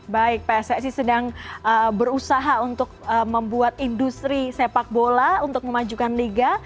baik pssi sedang berusaha untuk membuat industri sepak bola untuk memajukan liga